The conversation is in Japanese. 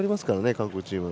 韓国チーム。